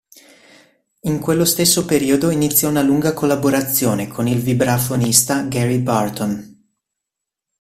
In quello stesso periodo iniziò una lunga collaborazione con il vibrafonista Gary Burton.